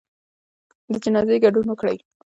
د جنازې ګډون وکړئ